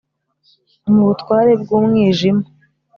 Mu butware bw umwijima